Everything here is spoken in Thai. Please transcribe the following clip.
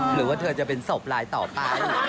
หรือว่าเธอจะเป็นศพลายต่อไป